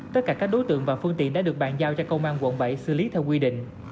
tất cả các đối tượng và phương tiện đã được bàn giao cho công an quận bảy xử lý theo quy định